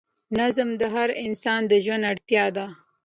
نظم د هر انسان د ژوند اړتیا ده.